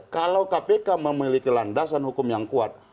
kalau kpk memiliki landasan hukum yang kuat